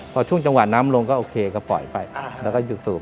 พอช่วงจังหวะน้ำลงก็โอเคก็ปล่อยไปแล้วก็หยุดสูบ